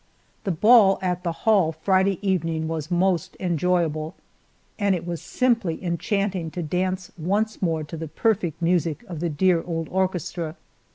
The ball at the hall Friday evening was most enjoyable, and it was simply enchanting to dance once more to the perfect music of the dear old orchestra.